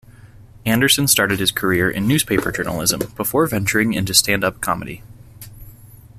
Anderson started his career in newspaper journalism, before venturing into stand-up comedy.